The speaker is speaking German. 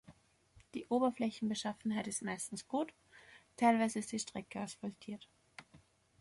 Die Oberflächenbeschaffenheit ist meistens gut, teilweise ist die Strecke asphaltiert.